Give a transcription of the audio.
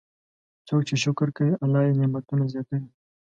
څوک چې شکر کوي، الله یې نعمتونه زیاتوي.